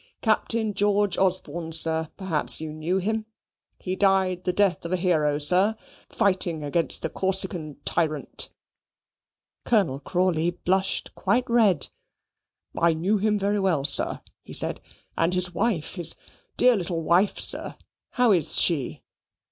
"Captain George Osborne, sir perhaps you knew him. He died the death of a hero, sir, fighting against the Corsican tyrant." Colonel Crawley blushed quite red. "I knew him very well, sir," he said, "and his wife, his dear little wife, sir how is she?"